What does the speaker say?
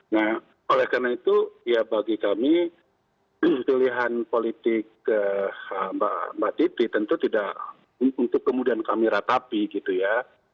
nah oleh karena itu ya bagi kami pilihan politik mbak titi tentu tidak untuk kemudian kami ratapi gitu ya